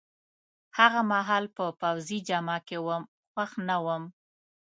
هغه مهال په پوځي جامه کي وم، خوښ نه وم.